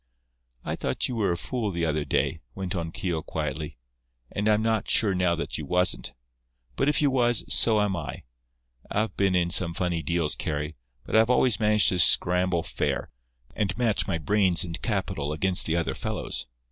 "I thought you were a fool the other day," went on Keogh, quietly, "and I'm not sure now that you wasn't. But if you was, so am I. I've been in some funny deals, Carry, but I've always managed to scramble fair, and match my brains and capital against the other fellow's.